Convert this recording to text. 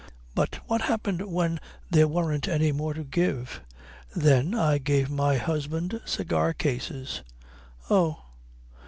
"But what happened when there weren't any more to give?" "Then I gave my husband cigar cases." "Oh."